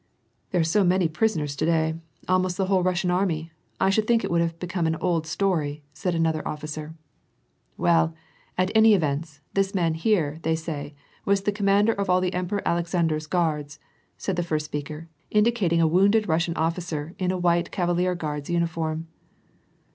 ''There are so many prisoners to day; almost the whole loflsian army, I should think it would have become an old iloiy," said another officer. "Well, at all events, this man here, they say, was the com Jiander of all the Emperor Alexander's Guards," said the first tweaker, indicating a wounded Russian officer in a white Cava WGuards uniform.